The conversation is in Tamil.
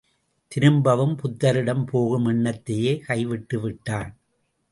திரும்பவும் புத்தரிடம் போகும் எண்ணத்தையே கைவிட்டுவிட்டான்.